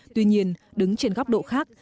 tuy nhiên đứng trên góc độ khác